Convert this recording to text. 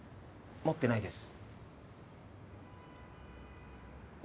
持ってないです。